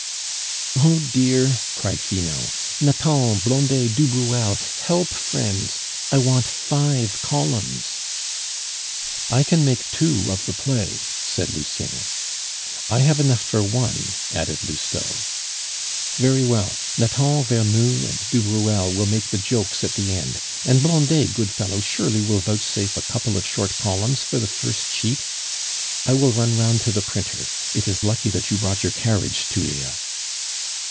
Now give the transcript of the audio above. "Oh dear!" cried Finot, "Nathan, Blondet, du Bruel, help friends! I want five columns." "I can make two of the play," said Lucien. "I have enough for one," added Lousteau. "Very well; Nathan, Vernou, and du Bruel will make the jokes at the end; and Blondet, good fellow, surely will vouchsafe a couple of short columns for the first sheet. I will run round to the printer. It is lucky that you brought your carriage, Tullia."